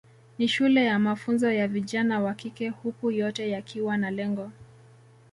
Ni shule ya mafunzo ya vijana wa kike huku yote yakiwa na lengo